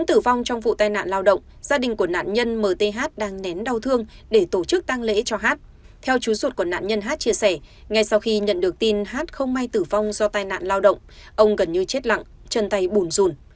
theo chú ruột của nạn nhân hát chia sẻ ngay sau khi nhận được tin hát không may tử vong do tai nạn lao động ông gần như chết lặng chân tay bùn rùn